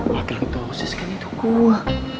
wakil ketolsis kan itu gue